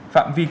phạm vi công ty